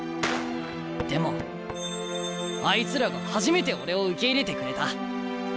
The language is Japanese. でもあいつらが初めて俺を受け入れてくれた。